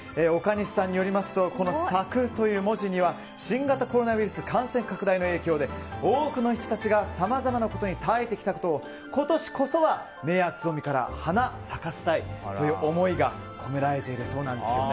岡西さんによりますと「咲」という文字には新型コロナウイルス感染拡大の影響で多くの人たちがさまざまなことに耐えてきたことを今年こそは、芽やつぼみから花咲かせたいという思いが込められているそうです。